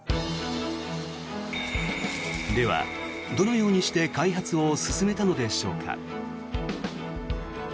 では、どのようにして開発を進めたのでしょうか。